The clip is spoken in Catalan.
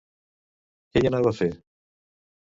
Què hi anava a fer?